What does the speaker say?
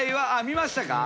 見ましたか？